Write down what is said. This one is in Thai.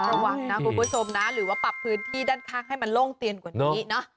ระวังนะคุณผู้ชมนะหรือว่าปรับพื้นที่ด้านข้างให้มันโล่งเตียนกว่านี้เนอะ